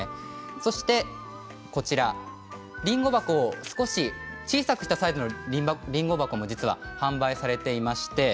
そして少し小さくしたサイズのりんご箱も販売されています。